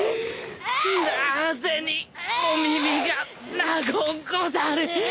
「なぜにお耳が長うござる」